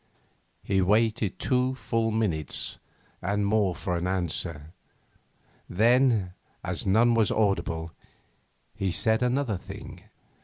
He waited two full minutes and more for an answer; then, as none was audible, he said another thing.